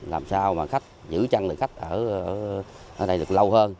làm sao mà khách giữ chăn được khách ở đây được lâu hơn